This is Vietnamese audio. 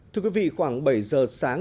thưa quý vị khoảng bảy giờ sáng